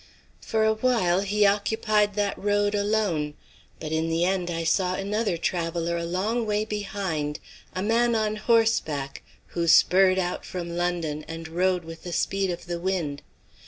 For awhile he occupied that road alone; but in the end I saw another traveller a long way behind a man on horseback, who spurred out from London and rode with the speed of the wind.